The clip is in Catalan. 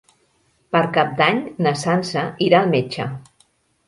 Per Cap d'Any na Sança irà al metge.